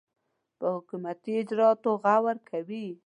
پر حکومتي اجرآتو غور کوي.